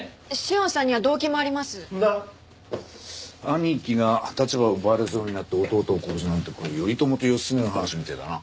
兄貴が立場を奪われそうになって弟を殺すなんてこれ頼朝と義経の話みたいだな。